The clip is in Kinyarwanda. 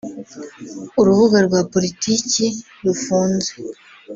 urubuga rwa politiki rufunze